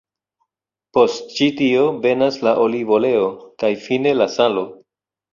Post ĉi tio venas la olivoleo, kaj fine la salo.